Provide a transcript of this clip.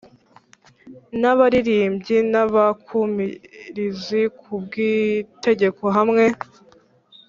N abaririmbyi n abakumirizi ku bw itegeko hamwe